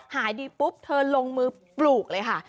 หายดีปุ๊บเธอลงมือปลูกเลยค่ะ